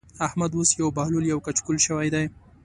احمد اوس يو بهلول يو کچکول شوی دی.